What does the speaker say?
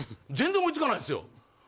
全然追いつかないんですよ。